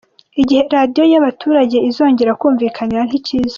Igihe Radiyo yabaturage izongera kumvikanira ntikizwi